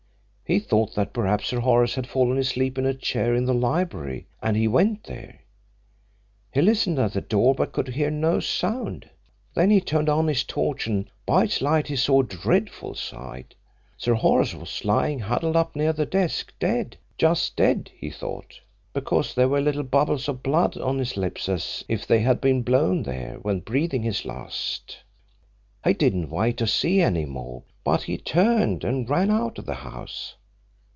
He thought that perhaps Sir Horace had fallen asleep in a chair in the library, and he went there. He listened at the door but could hear no sound. Then he turned on his torch and by its light he saw a dreadful sight. Sir Horace was lying huddled up near the desk dead just dead, he thought, because there were little bubbles of blood on his lips as if they had been blown there when breathing his last. He didn't wait to see any more, but he turned and ran out of the house.